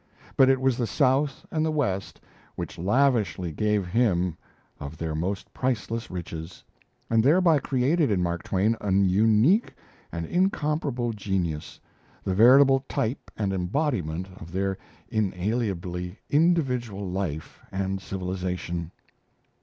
But it was the South and the West which lavishly gave him of their most priceless riches, and thereby created in Mark Twain an unique and incomparable genius, the veritable type and embodiment of their inalienably individual life and civilization.